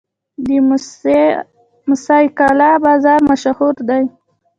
د موسی قلعه بازار مشهور دی